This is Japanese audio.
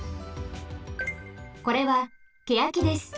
これはケヤキです。